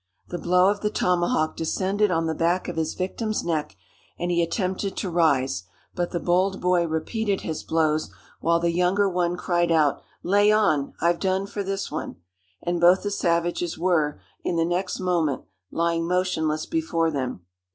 The blow of the tomahawk descended on the back of his victim's neck, and he attempted to rise; but the bold boy repeated his blows, while the younger one cried out, "Lay on!—I've done for this one!" and both the savages were, in the next moment, lying motionless before them.